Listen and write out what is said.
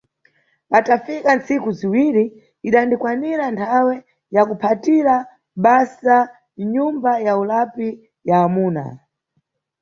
Patafika ntsiku ziwiri idandikwanira nthawe ya kuphatira basa mnyumba ya ulapi ya amuna.